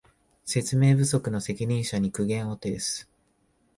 説明不足の責任者に苦言を呈す